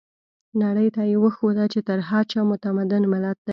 نړۍ ته يې وښوده چې تر هر چا متمدن ملت دی.